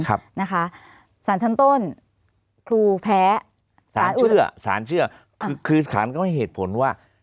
ครับนะคะศาลชั้นต้นครูแพ้ศาลเชื่อศาลเชื่อคือศาลก็ให้เหตุผลว่า